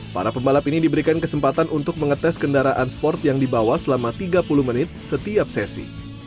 para pembalap ini diberikan kesempatan untuk mengetes kendaraan sport yang dibawa selama tiga puluh menit setiap sesi